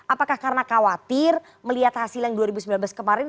apakah karena khawatir melihat hasil yang dua ribu sembilan belas kemarin